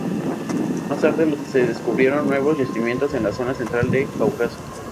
Más tarde, se descubrieron nuevos yacimientos en la zona central del Cáucaso.